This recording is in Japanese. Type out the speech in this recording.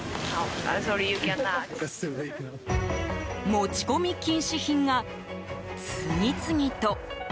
持ち込み禁止品が次々と。